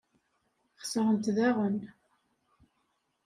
Xesrent daɣen.